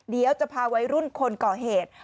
เดี๋ยวจะพาวัยรุ่นคนก่อเหตุ